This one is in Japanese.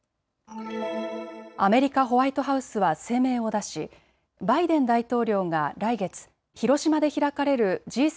アメリカ・ホワイトハウスは声明を出しバイデン大統領が来月、広島で開かれるＧ７